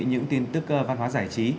những tin tức văn hóa giải trí